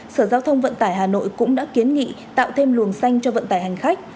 sở giao thông vận tải hà nội cũng đã kiến nghị tạo thêm luồng xanh cho vận tải hành khách